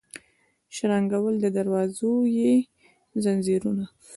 شرنګول د دروازو یې ځنځیرونه